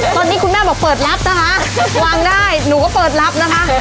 ตอนนี้คุณแม่บอกเปิดรับนะคะวางได้หนูก็เปิดรับนะคะ